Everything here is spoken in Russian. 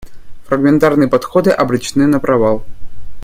Фрагментарные подходы обречены на провал.